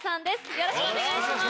よろしくお願いします。